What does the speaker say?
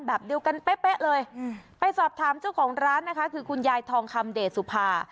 แบบเดียวกันเป๊ะเลยไปสอบถามเจ้าของร้านนะคะคือคุณยายทองคำเดชสุภา